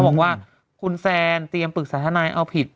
บอกว่าคุณแซนเตรียมปรึกษาทนายเอาผิด